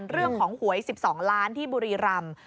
เรื่องของหวย๑๒ล้านบาทที่บุรีรำ